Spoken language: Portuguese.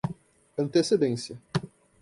antecedência